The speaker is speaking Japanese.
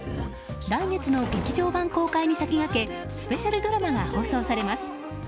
来月の劇場版公開に先駆けスペシャルドラマが放送されます。